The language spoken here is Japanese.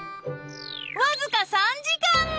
［わずか３時間］